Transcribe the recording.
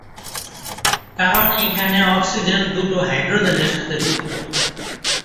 কারণ এখানে অক্সিজেন দুটো হাইড্রোজেনের সাথে যুক্ত।